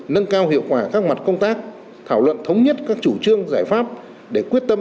nâng cao hiệu quả các mặt công tác thảo luận thống nhất các chủ trương giải pháp để quyết tâm